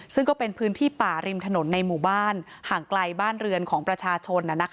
ซึ่งก็เป็นพื้นที่ป่าริมถนนในหมู่บ้านห่างไกลบ้านเรือนของประชาชน